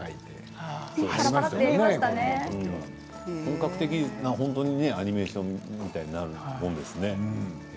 本格的なアニメーションになるものですね。